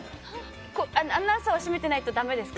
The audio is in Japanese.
アナウンサーは閉めてないとだめですか？